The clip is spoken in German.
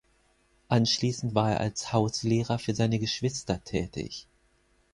Anschließend war er als Hauslehrer für seine Geschwister tätig.